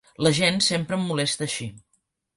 La gent sempre em molesta així.